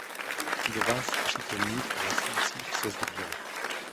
Dva z přítomných hlasujících se zdrželi.